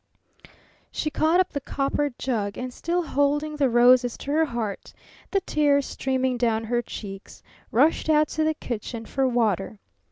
She caught up the copper jug and still holding the roses to her heart, the tears streaming down her cheeks, rushed out to the kitchen for water.